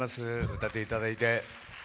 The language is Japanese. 歌っていただいて。